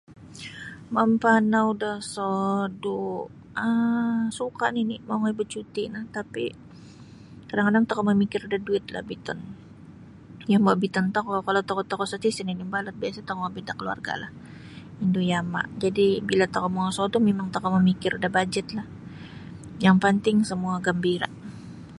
Mampanau da sodu' um suka' nini' mongoi bacuti'kan tapi' kadang-kadang tokou mamikir da duitlah biton yombo' biton tokou kalau tokou-tokou saja' isa nini' mabalut biasa' tokou mongobit da kaluarga'lah indu yama' jadi' bila tokou mongoi sodu' tokou mamikir da bajetlah yang panting samua gambira'.